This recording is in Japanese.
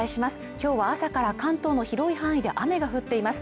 今日は朝から関東の広い範囲で雨が降っています